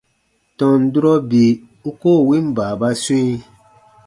Tɔn durɔ bii u koo win baababa swĩ.